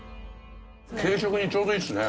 軽食にちょうどいいですね。